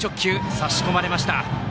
差し込まれました。